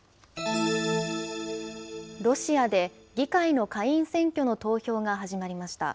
ロシアで議会の下院選挙の投票が始まりました。